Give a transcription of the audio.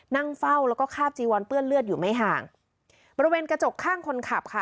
นั่งเฝ้าแล้วก็คาบจีวอนเปื้อนเลือดอยู่ไม่ห่างบริเวณกระจกข้างคนขับค่ะ